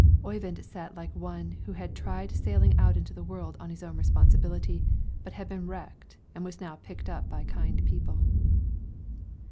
Oyvind sat like one who had tried sailing out into the world on his own responsibility, but had been wrecked and was now picked up by kind people.